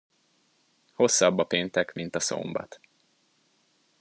Hosszabb a péntek, mint a szombat.